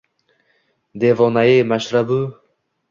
“devonayi mashrab”u